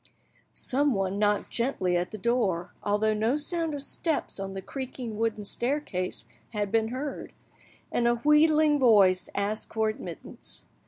Someone knocked gently at the door, although no sound of steps on the creaking wooden staircase had been heard, and a wheedling voice asked for admittance.